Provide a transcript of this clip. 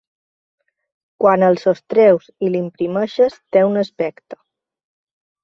Quan el sostreus i l’imprimeixes té un aspecte.